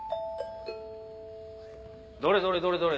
どれどれどれどれ。